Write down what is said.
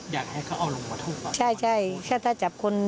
อยากให้เขาเอาลงมาทุกข่อน